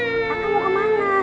kakak mau kemana